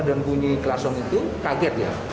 dan bunyi kelasong itu kaget ya